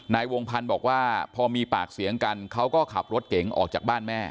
นายวงพันธ์บอกว่าพอมีปากเสียงกันเขาก็ขับรถเก๋งออกจากบ้านแม่